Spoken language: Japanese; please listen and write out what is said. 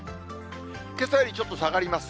けさよりちょっと下がります。